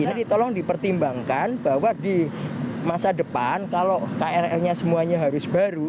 jadi tolong dipertimbangkan bahwa di masa depan kalau krl nya semuanya harus baru